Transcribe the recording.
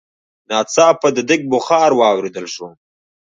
ناڅاپه د ديګ بخار واورېدل شو.